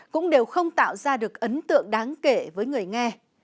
cũng đều không tạo ra được ấn tượng đáng kể với người nghe